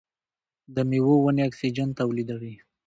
د میوو ونې اکسیجن تولیدوي.